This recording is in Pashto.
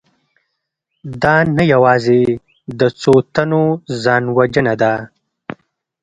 دا نه یوازې د څو تنو ځانوژنه ده